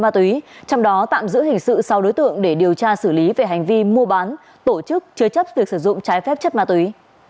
trong đó tạm giữ hình sự sau đối tượng để điều tra xử lý về hành vi mua bán tổ chức chứa chấp việc sử dụng trái phép chất ma túy